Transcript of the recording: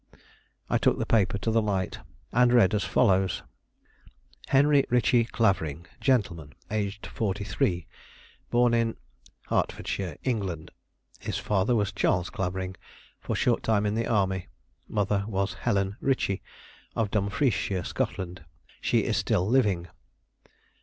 I took the paper to the light and read as follows: "Henry Ritchie Clavering, Gentleman, aged 43. Born in , Hertfordshire, England. His father was Chas. Clavering, for short time in the army. Mother was Helen Ritchie, of Dumfriesshire, Scotland; she is still living.